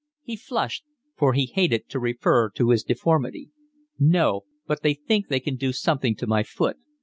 He flushed, for he hated to refer to his deformity. "No, but they think they can do something to my foot.